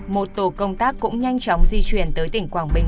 một tổ công tác cũng nhanh chóng di chuyển tới tỉnh quảng bình